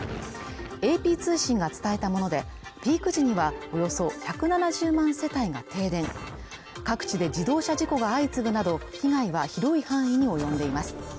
ＡＰ通信が伝えたものでピーク時にはおよそ１７０万世帯が停電各地で自動車事故が相次ぐなど被害は広い範囲に及んでいます